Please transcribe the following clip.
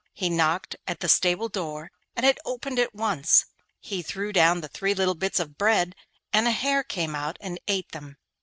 He knocked at the stable door and it opened at once. He threw down the three little bits of bread and a hare came out and ate them.